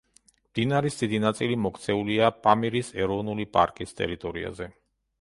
მდინარის დიდი ნაწილი მოქცეულია პამირის ეროვნული პარკის ტერიტორიაზე.